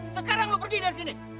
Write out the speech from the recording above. sekarang lo pergi dari sini